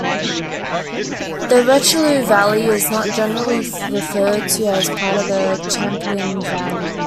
The Richelieu valley is not generally referred to as part of the Champlain Valley.